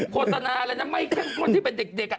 โฆษณาอะไรนะไม่เข้มข้นที่เป็นเด็ก